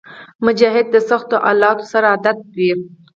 مجاهد د سختو حالاتو سره عادت وي.